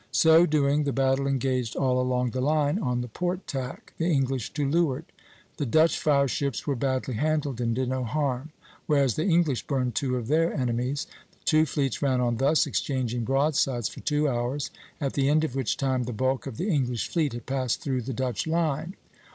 So doing, the battle engaged all along the line on the port tack, the English to leeward. The Dutch fire ships were badly handled and did no harm, whereas the English burned two of their enemies. The two fleets ran on thus, exchanging broadsides for two hours, at the end of which time the bulk of the English fleet had passed through the Dutch line.